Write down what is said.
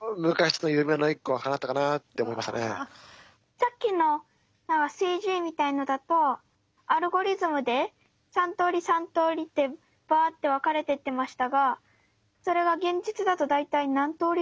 さっきのＣＧみたいのだとアルゴリズムで３通り３通りってバーッて分かれてってましたがそれがお。